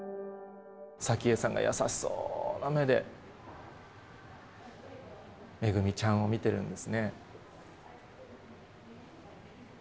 早紀江さんが優しそうな目で、めぐみちゃんを見てるんですね。